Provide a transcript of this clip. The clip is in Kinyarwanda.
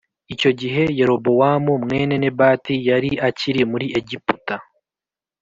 Icyo gihe Yerobowamu mwene Nebati yari akiri muri Egiputa